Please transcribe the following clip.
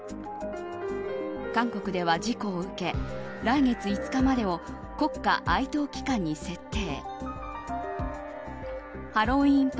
韓国では事故を受け来月５日までを国家哀悼期間に設定。